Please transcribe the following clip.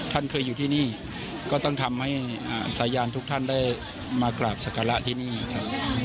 ท่านเคยอยู่ที่นี่ก็ต้องทำให้สายานทุกท่านได้มากราบศักระที่นี่ครับ